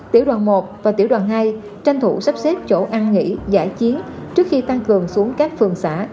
tiểu đoàn một và tiểu đoàn hai tranh thủ sắp xếp chỗ ăn nghỉ giải chiến trước khi tăng cường xuống các phường xã